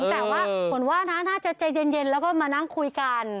แต่ว่าผลว่านะน่าจะใจเย็นแล้วก็มานั่งคุยกัน